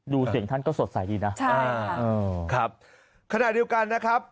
เสียงท่านก็สดใสดีนะใช่ครับขณะเดียวกันนะครับ